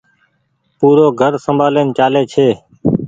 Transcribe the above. پورو گهر سمبآلين چآلي ڇي۔